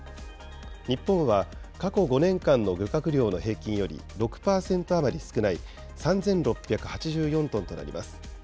日本は、過去５年間の漁獲量の平均より６％余り少ない３６８４トンとなります。